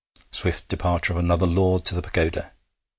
Swift departure of another lord to the pagoda.